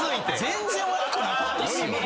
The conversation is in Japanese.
全然悪くなかったっすよ。